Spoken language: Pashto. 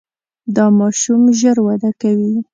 دا ماشوم ژر وده کوي.